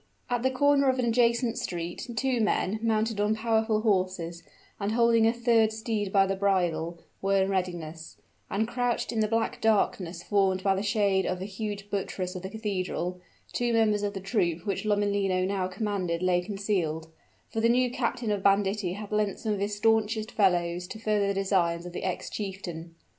At the corner of an adjacent street, two men, mounted on powerful horses, and holding a third steed by the bridle, were in readiness; and, crouched in the black darkness formed by the shade of a huge buttress of the cathedral, two members of the troop which Lomellino now commanded lay concealed for the new captain of banditti had lent some of his stanchest followers to further the designs of the ex chieftain.